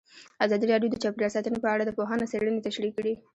ازادي راډیو د چاپیریال ساتنه په اړه د پوهانو څېړنې تشریح کړې.